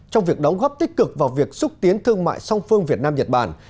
trong việc đóng góp tích cực vào việc xúc tiến thương mại song phương việt nam nhật bản